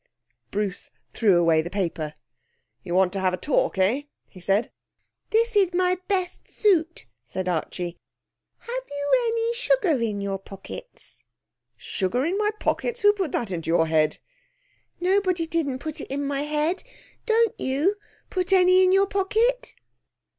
Bruce threw away the paper. 'You want to have a talk, eh?' he said. 'This is my best suit,' said Archie. 'Have you any sugar in your pockets?' 'Sugar in my pockets? Who put that into your head?' 'Nobody didn't put it in my head. Don't you put any in your pocket?'